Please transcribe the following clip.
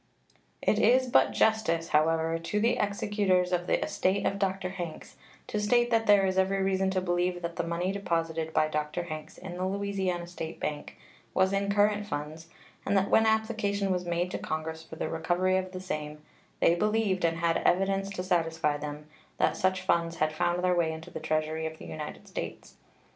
It is but justice, however, to the executors of the estate of Dr. Hanks to state that there is every reason to believe that the money deposited by Dr. Hanks in the Louisiana State Bank was in current funds, and that when application was made to Congress for the recovery of the same they believed, and had evidence to satisfy them, that such funds had found their way into the Treasury of the United States.